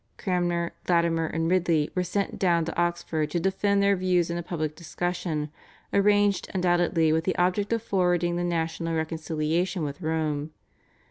Cranmer, Latimer, and Ridley were sent down to Oxford to defend their views in a public discussion, arranged undoubtedly with the object of forwarding the national reconciliation with Rome.